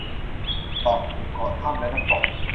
เกาะ หมู่เกาะ ถ้ำ และน้ำตก